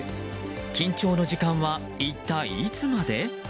緊張の時間は一体いつまで。